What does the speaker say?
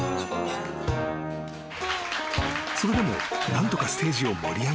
［それでも何とかステージを盛り上げたい］